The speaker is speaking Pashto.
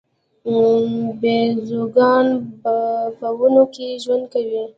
بیزوګان په ونو کې ژوند کوي